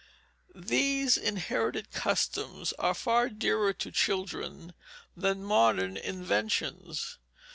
These inherited customs are far dearer to children than modern inventions.